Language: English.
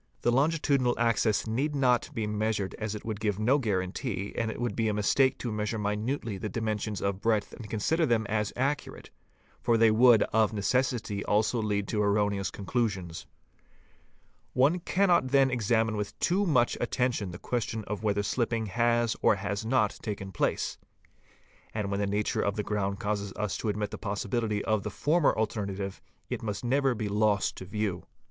The longitudinal q axis need not be measured as it would give no guarantee, and it would be a mistake to measure minutely the dimensions of breadth and consider — them as accurate, for they would of necessity also lead to erroneous conclusions. One cannot then examine with too much attention the — question of whether slhpping has or has not taken place ; and when the — nature of the ground causes us to admit the possibility of the former — alternative, it must never be lost to view.